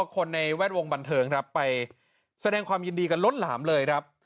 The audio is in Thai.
คนในแวดวงบันเทิงครับไปแสดงความยินดีกันล้นหลามเลยครับ